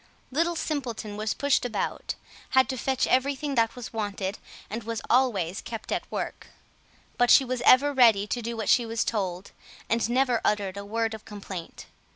Little Simpleton was pushed about, had to fetch everything that was wanted, and was always kept at work; but she was ever ready to do what she was told, and never uttered a word of complaint.